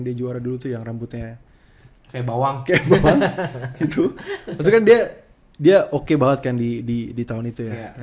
dia juara dulu yang rambutnya kayak bawang ke itu segera dia dia oke banget kan di di tahun itu ya